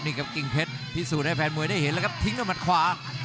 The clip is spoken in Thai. นี่ครับกิ่งเพชรพิสูจน์ให้แฟนมวยได้เห็นแล้วครับทิ้งด้วยมัดขวา